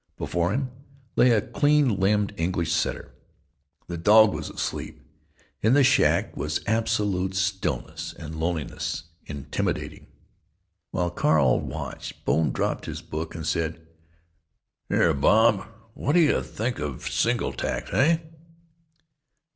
Before him lay a clean limbed English setter. The dog was asleep. In the shack was absolute stillness and loneliness intimidating. While Carl watched, Bone dropped his book and said, "Here, Bob, what d'you think of single tax, heh?"